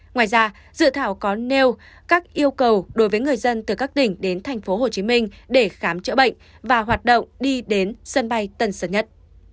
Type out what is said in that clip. ngoài ra dự thảo có nêu các yêu cầu đối với người dân từ các tỉnh đến tp hcm để khám chữa bệnh và hoạt động đi đến sân bay tân sơn nhất